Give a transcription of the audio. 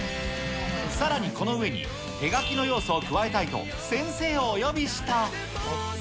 さらにこの上に、手描きの要素を加えたいと、先生をお呼びした。